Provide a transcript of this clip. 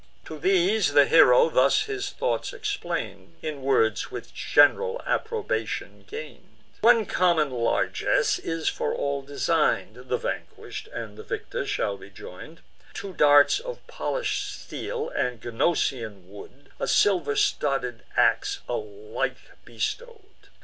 To these the hero thus his thoughts explain'd, In words which gen'ral approbation gain'd: "One common largess is for all design'd, The vanquish'd and the victor shall be join'd, Two darts of polish'd steel and Gnosian wood, A silver studded ax alike bestow'd.